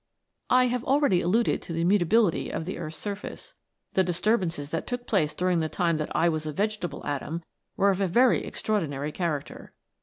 " I have already alluded to the mutability of the earth's surface. The disturbances that took place during the time that I was a vegetable atom were of a very extraordinary character.